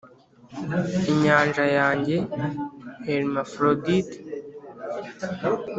inyanja yanjye hermafrodite,